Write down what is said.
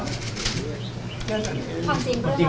ความจริงว่าอะไรครับ